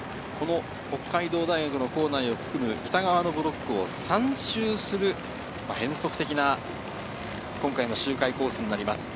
北海道大学構内を含む北側ブロックを３周する変則的な今回の周回コースになります。